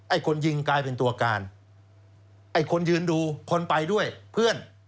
คนยิงกลายเป็นตัวการไอ้คนยืนดูคนไปด้วยเพื่อน